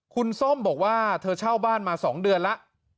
คุณส้มบอกว่าเธอเช่าบ้านมา๒เดือนแล้ว